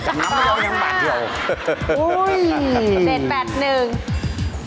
น้ำไม่ได้เอายังบ่านเดียวโอ้โฮ๗๘๑